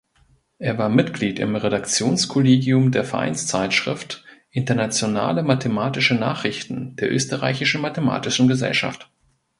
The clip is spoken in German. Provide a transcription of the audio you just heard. Er war Mitglied im Redaktionskollegium der Vereinszeitschrift "Internationale Mathematische Nachrichten" der Österreichischen Mathematischen Gesellschaft.